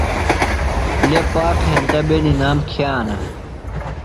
۔لےۡ پاکہ ہینتہ بے نِنام کِھیانہ۔